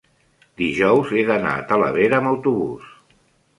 dijous he d'anar a Talavera amb autobús.